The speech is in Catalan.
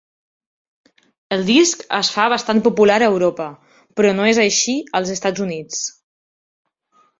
El disc es fa bastant popular a Europa, però no és així als Estats Units.